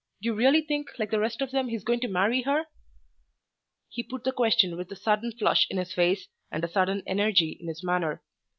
Do you really think, like the rest of them, he's going to marry her?" He put the question with a sudden flush in his face and a sudden energy in his manner.